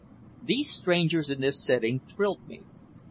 These strangers in this setting thrilled me.